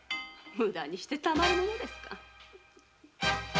無駄にしてたまるものですか！